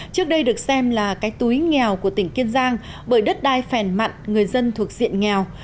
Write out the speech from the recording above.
trước đây được xem là cái túi nghèo của tỉnh kiên giang bởi đất đai phèn mặn người dân thuộc diện nghèo